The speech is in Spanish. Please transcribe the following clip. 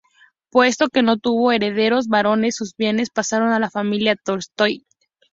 Puesto que no tuvo herederos varones, sus bienes pasaron a la familia Tolstói.